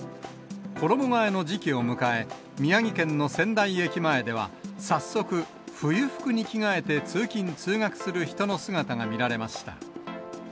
衣がえの時期を迎え、宮城県の仙台駅前では、早速、冬服に着替えて通勤・通学する人の姿が見られました。